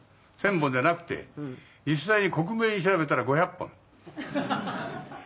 「１０００本じゃなくて実際に克明に調べたら５００本」「」